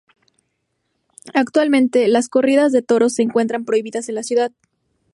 Actualmente, las corridas de toros se encuentran prohibidas en la ciudad.